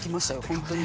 本当に。